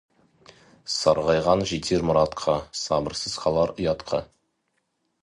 Сарғайған жетер мұратқа, сабырсыз қалар ұятқа.